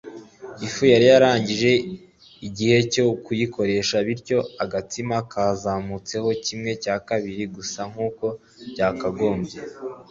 Ifu yari yarengeje igihe cyo kuyikoresha bityo agatsima kazamutseho kimwe cya kabiri gusa nkuko byakagombye